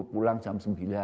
pulang jam sembilan